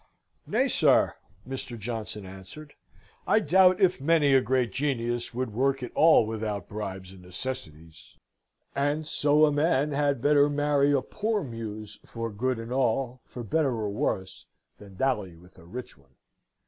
"Nay, sir," Mr. Johnson answered, "I doubt if many a great genius would work at all without bribes and necessities; and so a man had better marry a poor Muse for good and all, for better or worse, than dally with a rich one.